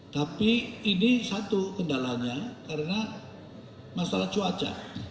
tapi ini satu kendalanya karena masalah cuaca